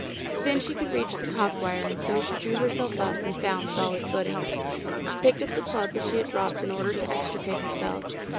Then she could reach the top wire, and so she drew herself up and found solid footing. She picked up the club that she had dropped in order to extricate herself.